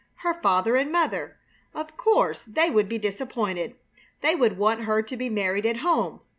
Her father and mother! Of course, they would be disappointed! They would want her to be married at home!